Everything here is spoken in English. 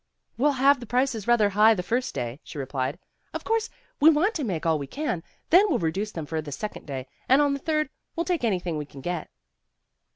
"We'll have the prices rather high the first day," she replied. '' Of course we want to make all we can. Then we'll reduce them for the second day, and on the third we '11 take anything we can get.